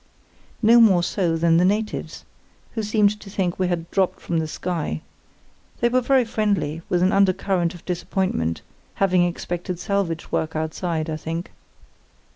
"Not more so than the natives, who seemed to think we had dropped from the sky. They were very friendly, with an undercurrent of disappointment, having expected salvage work outside, I think.